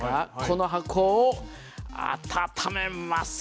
この箱を温めます。